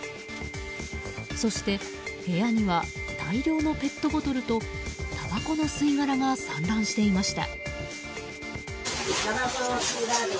そして部屋には大量のペットボトルとたばこの吸い殻が散乱していました。